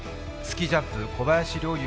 スキージャンプ小林陵